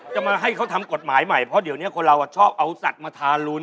จะมาให้เขาทำกฎหมายใหม่เพราะเดี๋ยวนี้คนเราชอบเอาสัตว์มาทารุน